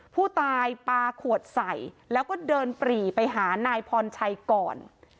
ผู้ตายปลาขวดใส่แล้วก็เดินปรีไปหานายพรชัยก่อน